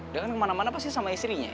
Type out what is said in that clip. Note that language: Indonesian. dia kan kemana mana pasti sama istrinya